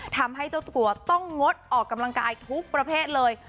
ทำให้เจ้าตัวต้องงดออกกำลังกายทุกประเภทเลย